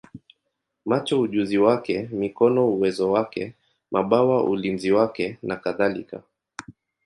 macho ujuzi wake, mikono uwezo wake, mabawa ulinzi wake, nakadhalika.